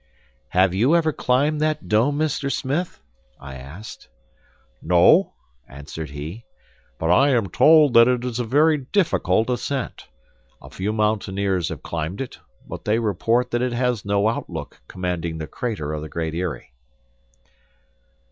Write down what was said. "Have you ever climbed that dome, Mr. Smith?" I asked. "No," answered he, "but I am told that it is a very difficult ascent. A few mountaineers have climbed it; but they report that it has no outlook commanding the crater of the Great Eyrie."